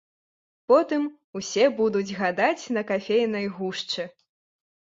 Потым усе будуць гадаць на кафейнай гушчы.